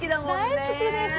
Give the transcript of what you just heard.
大好きです。